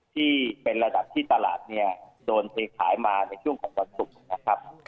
ที่เป็นระดับที่ตลาดเนี่ยโดนเทขายมาในช่วงของวันศุกร์นะครับ